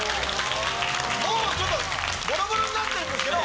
もうちょっとボロボロになってるんですけど。